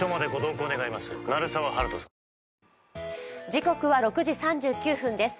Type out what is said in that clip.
時刻は６時３９分です。